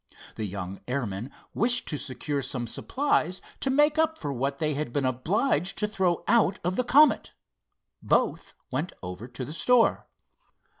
The young airman wished to secure some supplies to make up for what they had been obliged to throw out of the Comet. Both went over to the store.